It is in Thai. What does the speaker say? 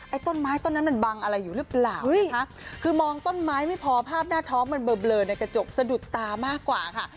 ต้นไม้ต้นนั้นมันบังอะไรอยู่หรือเปล่านะคะคือมองต้นไม้ไม่พอภาพหน้าท้องมันเบลอในกระจกสะดุดตามากกว่าค่ะ